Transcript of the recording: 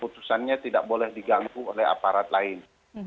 putusannya tidak boleh diganggu oleh aparat lain